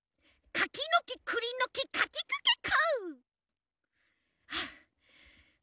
かきのきくりのきかきくけこ！